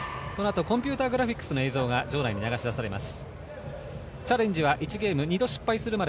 この後、コンピューターグラフィックスの映像が場内に流し出されます。